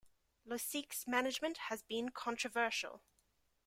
Losique's management has been controversial.